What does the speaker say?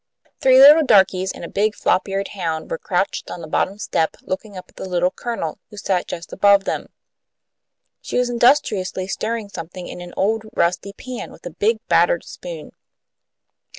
Three little darkies and a big flop eared hound were crouched on the bottom step, looking up at the Little Colonel, who sat just above them. She was industriously stirring something in an old rusty pan with a big, battered spoon.